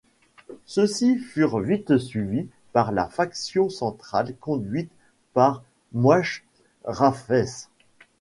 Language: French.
Ceux-ci furent vite suivis par la faction centrale conduite par Moyche Rafes.